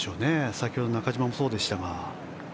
先ほどの中島もそうでしたが。